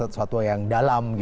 suatu yang dalam